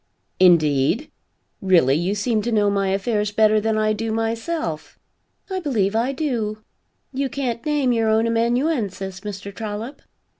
"Indeed? Really you seem to know my affairs better than I do myself." "I believe I do. You can't name your own amanuensis, Mr. Trollop."